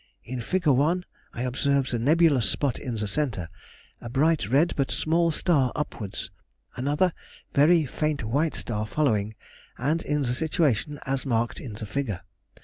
In Fig. 1 I observed the nebulous spot in the centre, a bright red but small star upwards, another very faint white star following, and in the situation as marked in the figure.